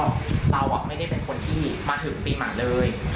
เราไม่ได้เป็นคนที่มาถึงปีใหม่เลย